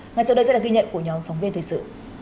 ngay sau đây sẽ là ghi nhận của nhóm phóng viên thời sự